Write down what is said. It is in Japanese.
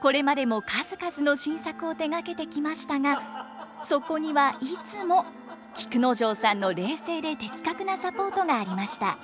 これまでも数々の新作を手がけてきましたがそこにはいつも菊之丞さんの冷静で的確なサポートがありました。